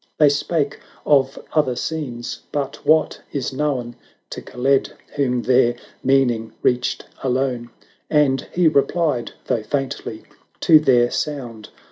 1090 They spake of other scenes, but what — is known To Kaled, whom their meaning reached alone; And he replied, though faintly, to their sound.